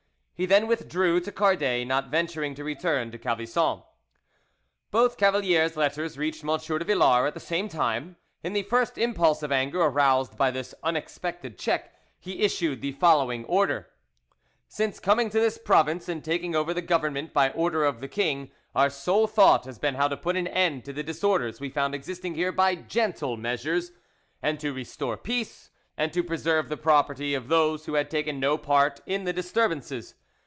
He then withdrew to Cardet, not venturing to return to Calvisson. Both Cavalier's letters reached M. de Villars at the same time; in the first impulse of anger aroused by this unexpected check, he issued the following order: "Since coming to this province and taking over the government by order of the king, our sole thought has been how to put an end to the disorders we found existing here by gentle measures, and to restore peace and to preserve the property of those who had taken no part in the disturbances.